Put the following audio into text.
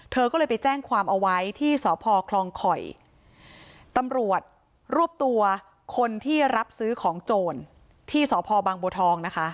เธอก็เลยไปแจ้งความเอาไว้ที่สพคลองข่อยตำรวจรวบตัวคนที่รับซื้อของโจรที่สพบางบัวทองนะคะ